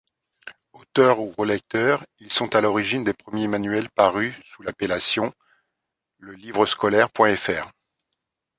Auteurs ou relecteurs, ils sont à l'origine des premiers manuels parus sous l'appellation Lelivrescolaire.fr.